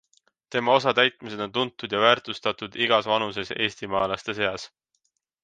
Tema osatäitmised on tuntud ja väärtustatud igas vanuses eestimaalaste seas.